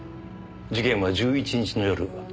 事件は１１日の夜蓮沼署